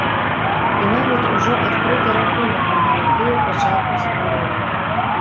І нават ужо адкрыты рахунак не гарантуе пачатку стварэння.